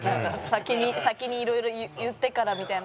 先にいろいろ言ってからみたいな。